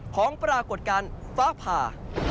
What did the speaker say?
ของปรากฏการณ์ฟ้าผ่า